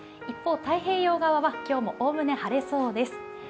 一方、太平洋側は今日もおおむね晴れそうです。